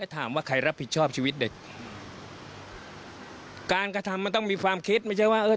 ถามว่าใครรับผิดชอบชีวิตเด็กการกระทำมันต้องมีความคิดไม่ใช่ว่าเออ